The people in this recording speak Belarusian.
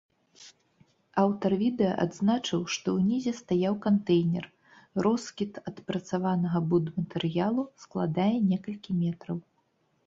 Аўтар відэа адзначыў, што ўнізе стаяў кантэйнер, роскід адпрацаванага будматэрыялу складае некалькі метраў.